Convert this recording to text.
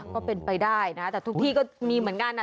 ก็เป็นไปได้นะแต่ทุกที่ก็มีเหมือนกันนะ